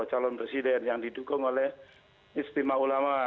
calon presiden yang didukung oleh istimewa ulama